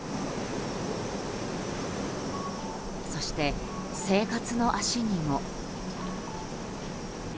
そして生活の足にも。